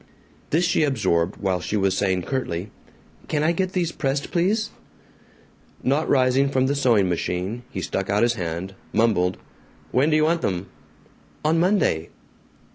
This she absorbed while she was saying curtly, "Can I get these pressed, please?" Not rising from the sewing machine he stuck out his hand, mumbled, "When do you want them?" "Oh, Monday."